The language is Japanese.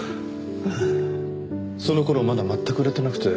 その頃まだ全く売れてなくて。